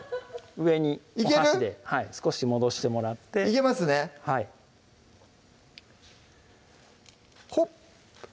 上にお箸で少し戻してもらっていけますねはいほっ！